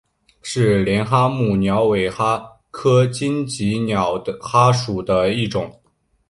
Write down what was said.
是帘蛤目鸟尾蛤科棘刺鸟蛤属的一种。